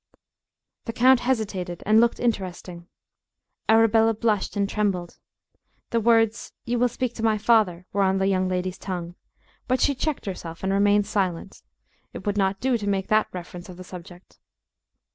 The count hesitated, and looked interesting. Arabella blushed and trembled. The words, "You will speak to my father," were on the young lady's tongue. But she checked herself, and remained silent. It would not do to make that reference of the subject.